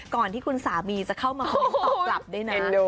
ก่อนที่คุณสามีจะเข้ามาคอมเม้นต์ต่อแล้วนะ